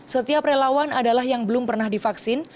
setiap relawan adalah yang belum pernah divaksin